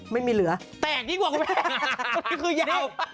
ไม่มีเหลือแตกยิ่งกว่าคุณแม่นี่คือยาว